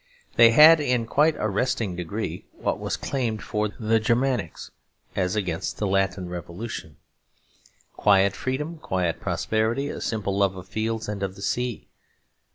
They had in a quite arresting degree what was claimed for the Germanics as against Latin revolutionism: quiet freedom, quiet prosperity, a simple love of fields and of the sea.